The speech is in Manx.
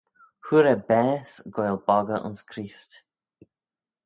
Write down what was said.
Hooar eh baase goaill boggey ayns Creest.